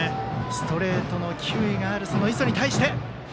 ストレートの球威がある磯に対して。